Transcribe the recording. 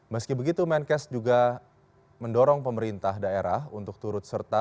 meski begitu menkes juga mendorong pemerintah daerah untuk turut serta